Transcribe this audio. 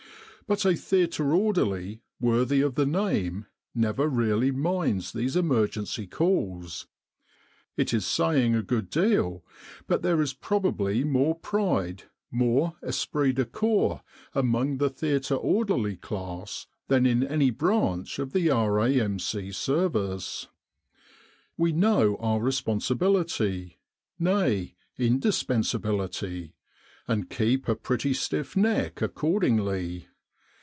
But a theatre orderly worthy of the name never really minds these emergency calls. It is saying a good deal, but there is p'robably more pride, more esprit de corps among the theatre orderly class than in any branch of the R.A.M.C. service. We know our responsibility, nay, indispensability ; and keep a pretty stiff neck accordingly.